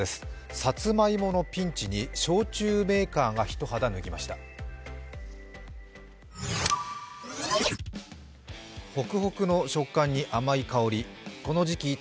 サツマイモのピンチに焼酎メーカーが一肌脱ぎました。